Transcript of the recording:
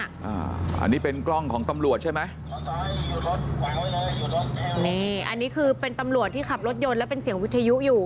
อันนี้เป็นกล้องของตำรวจใช่ไหมนี่อันนี้คือเป็นตำรวจที่ขับรถยนต์และเป็นเสียงวิทยุอยู่